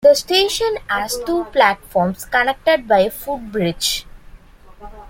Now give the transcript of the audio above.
The station has two platforms, connected by a footbridge.